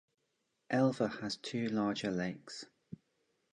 Elva has two larger lakes.